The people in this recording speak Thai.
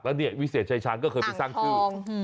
แล้ววิเศษชายชาญก็เคยไปสร้างชื่ออ่างทอง